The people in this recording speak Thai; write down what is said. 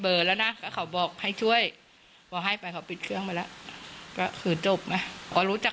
โทรเละเขาก็มาเซนเสร็จเค้าก็กลับไป